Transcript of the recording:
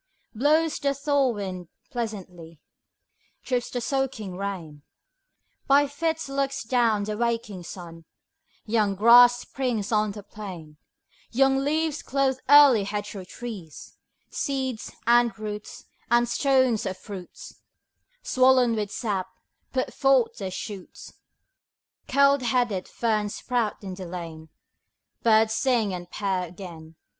Blows the thaw wind pleasantly, 10 Drips the soaking rain, By fits looks down the waking sun: Young grass springs on the plain; Young leaves clothe early hedgerow trees; Seeds, and roots, and stones of fruits, Swollen with sap put forth their shoots; Curled headed ferns sprout in the lane; Birds sing and pair again.